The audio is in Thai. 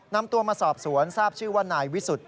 นำตัวมาสอบสวนทราบชื่อว่านายวิสุทธิ